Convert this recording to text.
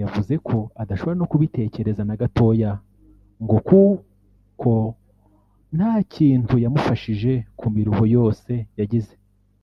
yavuze ko adashobora no kubitekereza na gatoya ngo kuko nta kintu yamufashije mu miruho yose yagize